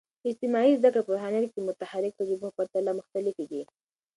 اجتماعي زده کړې په روحانيات کې د متحرک تجربو په پرتله مختلفې دي.